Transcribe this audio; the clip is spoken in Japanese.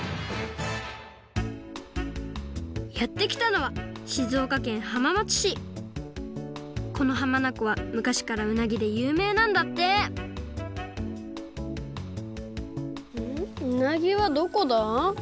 やってきたのはこのはまなこはむかしからうなぎでゆうめいなんだってうなぎはどこだ？